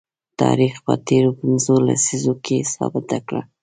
تاریخ په تیرو پنځو لسیزو کې ثابته کړله